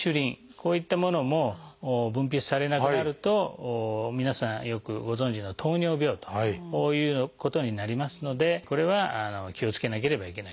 こういったものも分泌されなくなると皆さんよくご存じの糖尿病ということになりますのでこれは気をつけなければいけないと。